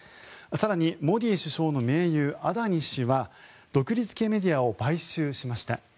更に、モディ首相の盟友アダニ氏は独立系メディアを買収しました。